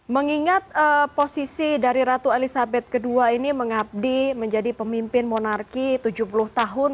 mengingat posisi dari ratu elizabeth ii ini mengabdi menjadi pemimpin monarki tujuh puluh tahun